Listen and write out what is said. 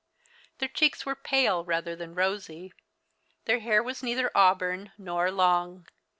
Their cheeks were pale rather than rosy. Their hair was neither auburn nor long.